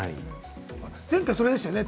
前回、それでしたね。